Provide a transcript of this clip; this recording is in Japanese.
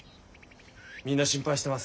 みんな心配してます。